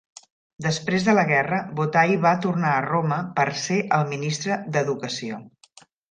Després de la guerra, Bottai va tornar a Roma per ser el ministre d'Educació.